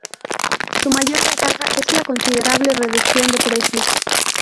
Su mayor ventaja es la considerable reducción de precio.